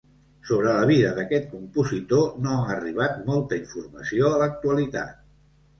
Sobre la vida d'aquest compositor no ha arribat molta informació a l'actualitat.